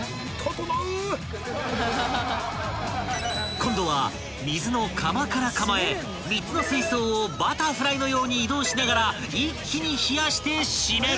［今度は水の釜から釜へ３つの水槽をバタフライのように移動しながら一気に冷やして締める］